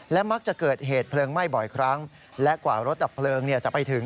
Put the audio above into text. และมักจะเกิดเหตุเพลิงไหม้บ่อยครั้งและกว่ารถดับเพลิงจะไปถึง